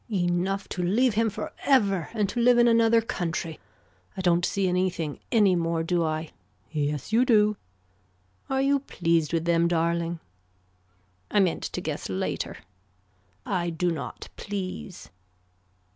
Enough to leave him for ever and to live in another country I don't see anything any more do I. Yes you do. Are you pleased with them darling. I meant to guess later. I do not please.